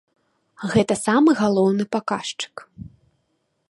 Гэта самы галоўны паказчык.